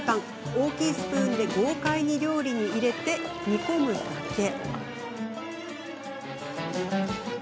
大きいスプーンで豪快に料理に入れて煮込むだけ。